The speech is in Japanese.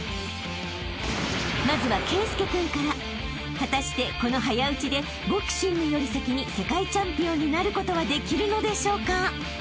果たしてこの早打ちでボクシングより先に世界チャンピオンになることはできるのでしょうか？］